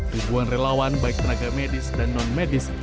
ribuan relawan baik tenaga medis dan non medis